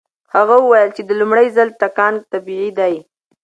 هغه وویل چې د لومړي ځل ټکان طبيعي دی.